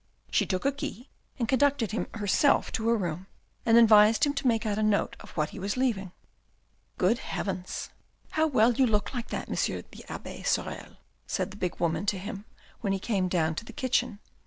She took a key, and conducted him herself to a room, and advised him to make out a note of what he was leaving. " Good heavens. How well you look like that, M. the abbe *74 THE RED AND THE BLACK Sorel," said the big woman to him when he came down to the kitchen.